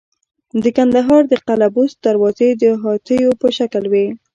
د کندهار د قلعه بست دروازې د هاتیو په شکل وې